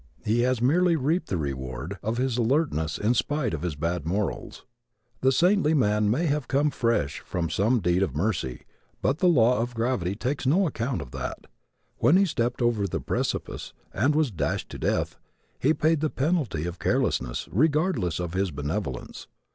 He has merely reaped the reward of his alertness in spite of his bad morals. The saintly man may have come fresh from some deed of mercy but the law of gravity takes no account of that. When he stepped over the precipice, and was dashed to death, he paid the penalty of carelessness regardless of his benevolence.